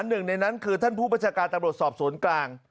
หนึ่งในนั้นคือท่านผู้ประชาการตำรวจสอบสวนกลาง